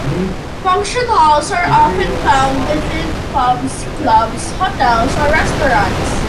Function halls are often found within pubs, clubs, hotels, or restaurants.